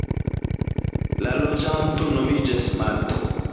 La loĝanto nomiĝas "mato".